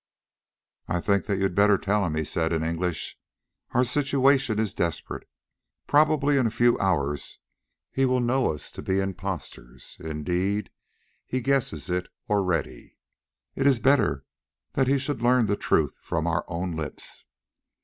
"I think that you had better tell him," he said in English. "Our situation is desperate. Probably in a few hours he will know us to be impostors; indeed, he guesses it already. It is better that he should learn the truth from our own lips.